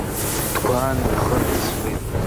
Дгәааны ихы ирҵысуеит.